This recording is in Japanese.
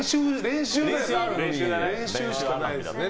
練習しかないですね。